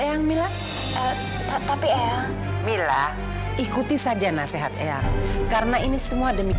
atau kafanya gak akan pulang